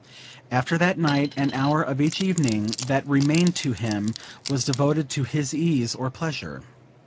After that night, an hour of each evening that remained to him was devoted to his ease or pleasure.